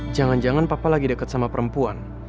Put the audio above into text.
jangan jangan papa lagi dekat sama perempuan